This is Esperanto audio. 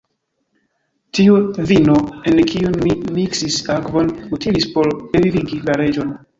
Tiu vino, en kiun ni miksis akvon, utilis por revivigi la reĝon.